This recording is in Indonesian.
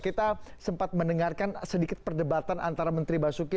kita sempat mendengarkan sedikit perdebatan antara menteri basuki